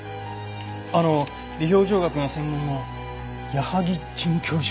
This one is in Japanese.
あの微表情学が専門の矢萩准教授？